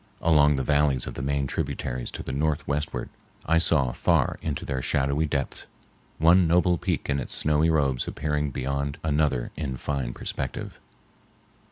Along the valleys of the main tributaries to the northwestward I saw far into their shadowy depths, one noble peak in its snowy robes appearing beyond another in fine perspective.